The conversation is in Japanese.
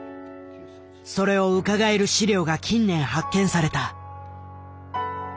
それをうかがえる資料が近年発見された。